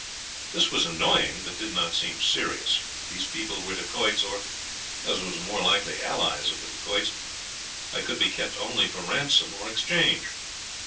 This was annoying, but did not seem serious. If these people were Dacoits, or, as was more likely, allies of the Dacoits, I could be kept only for ransom or exchange.